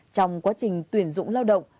trong quá trình tuyển dụng lao động